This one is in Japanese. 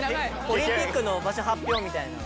オリンピックの場所発表みたいな。